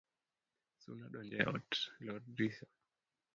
Suna donjo e ot , lor drisha